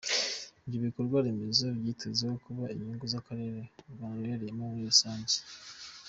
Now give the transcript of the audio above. Ibyo bikorwa remezo byitezweho kuba inyungu z’akarere u Rwanda ruherereyemo muri rusange.